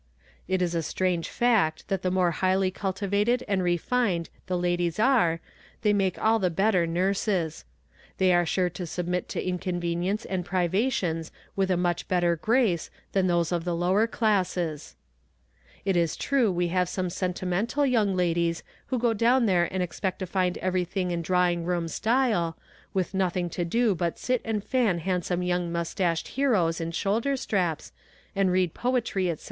It is a strange fact that the more highly cultivated and refined the ladies are, they make all the better nurses. They are sure to submit to inconvenience and privations with a much better grace than those of the lower classes. It is true we have some sentimental young ladies, who go down there and expect to find everything in drawing room style, with nothing to do but sit and fan handsome young mustached heroes in shoulder straps, and read poetry, etc.